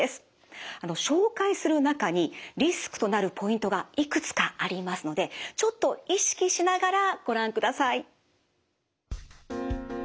紹介する中にリスクとなるポイントがいくつかありますのでちょっと意識しながらご覧ください。